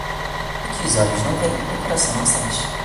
O que os olhos não veem, o coração não sente